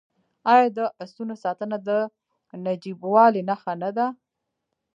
آیا د اسونو ساتنه د نجیبوالي نښه نه ده؟